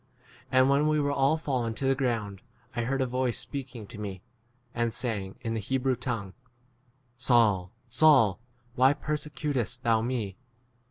14 And, when we were all fallen to the ground, I heard a voice speak ing to me, and saying, in the Hebrew tongue, Saul, Saul, why persecutest thou me